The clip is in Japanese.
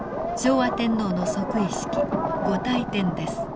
昭和天皇の即位式御大典です。